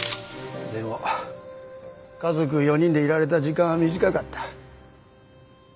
でも家族４人でいられた時間は短かった。